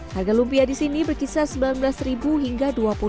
harga lumpia di sini berkisar rp sembilan belas hingga rp dua puluh